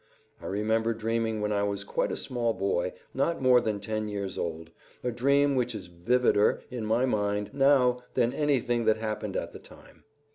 I remember dreaming when I was quite a small boy, not more than ten years old, a dream which is vivider in my mind now than anything that happened at the time.